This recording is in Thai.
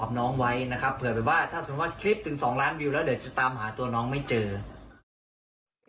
น้องไว้นะครับเผื่อแบบว่าถ้าสมมุติคลิปถึงสองล้านวิวแล้วเดี๋ยวจะตามหาตัวน้องไม่เจอนะครับ